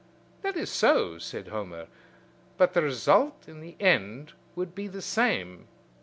"That is so," said Homer; "but the result in the end would be the same.